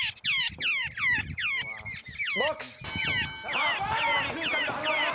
さあ、最後の２分間が始まります。